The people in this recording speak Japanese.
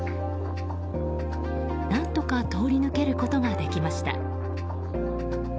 何とか通り抜けることができました。